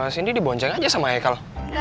cindy dibonceng aja sama haikal